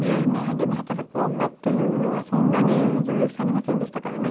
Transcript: でも働く女っていうのはそんなに重要視されませんでしたからね。